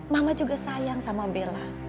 mama juga sayang sama bella